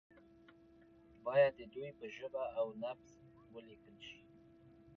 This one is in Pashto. باید د دوی په ژبه او نبض ولیکل شي.